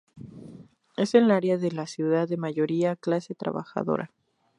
Es el área de la ciudad de mayoría clase trabajadora.